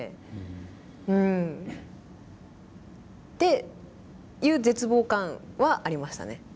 っていう絶望感はありましたね。